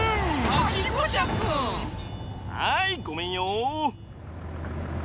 はいごめんよ。